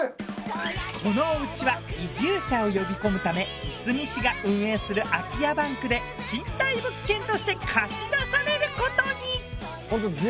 このおうちは移住者を呼び込むためいすみ市が運営する空き家バンクで賃貸物件として貸し出される事に。